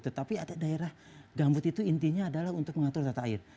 tetapi ada daerah gambut itu intinya adalah untuk mengatur tata air